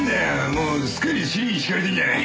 もうすっかり尻にしかれてんじゃない！